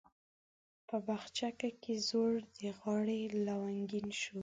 په بخچه کې زوړ د غاړي لونګین شو